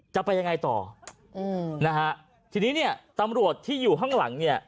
จะไปยังไงต่ออืมนะฮะทีนี้เนี่ยตำรวจที่อยู่ข้างหลังเนี่ย